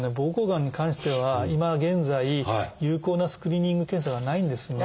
膀胱がんに関しては今現在有効なスクリーニング検査がないんですね。